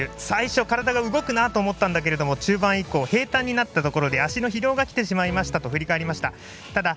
最初体が動くなと思ったんですが中盤以降、平たんになったところ足の疲労がきてしまいましたと振り返りました。